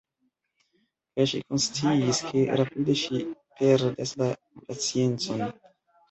Kaj ŝi konsciis ke rapide ŝi perdas la paciencon.